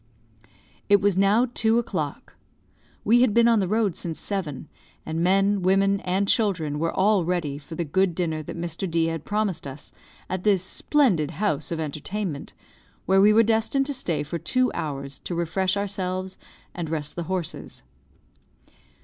It was now two o'clock. We had been on the road since seven; and men, women, and children were all ready for the good dinner that Mr. D had promised us at this splendid house of entertainment, where we were destined to stay for two hours, to refresh ourselves and rest the horses.